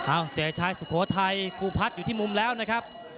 เสียชายสุโขทัยครูพัฒน์อยู่ที่มุมแล้วนะครับ